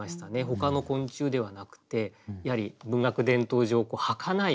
ほかの昆虫ではなくてやはり文学伝統上はかないものとしての蛍。